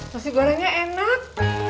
nasi gorengnya enak